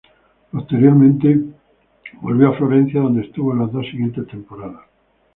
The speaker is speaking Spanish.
Posteriormente volvió a Florencia donde estuvo las dos siguientes temporadas.